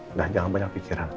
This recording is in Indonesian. udah jangan banyak pikiran